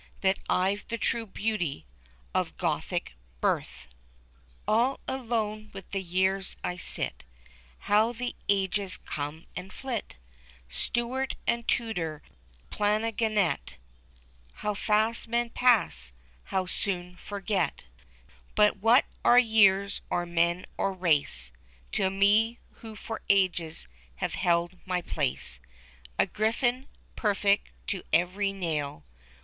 That Tve the true beauty of Gothic birth. THE GRIFFIN. 253 All alone with the years I sit ; How the ages come and flit ! Stuart, and Tudor, Plantagenet — How fast men pass, how soon forget ! But what are years, or men, or race To me, who for ages have held my place — A Griflin, perfect to every nail.